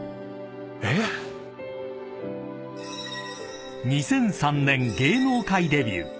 えっ⁉［２００３年芸能界デビュー］